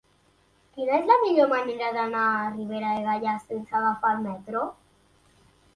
Quina és la millor manera d'anar a la Riera de Gaià sense agafar el metro?